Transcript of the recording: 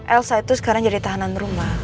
elsa itu sekarang jadi tahanan rumah